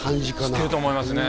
知ってると思いますね